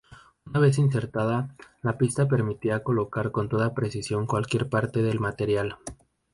Una vez insertada, la pista permitía localizar con total precisión cualquier parte del material.